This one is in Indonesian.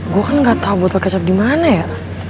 gua kan gak tau botol kecap dimana ya